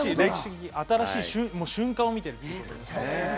新しい瞬間を見ているということです。